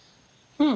うん。